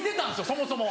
そもそも。